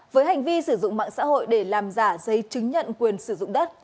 với hành vi sử dụng mạng xã hội để làm giả giấy chứng nhận quyền sử dụng đất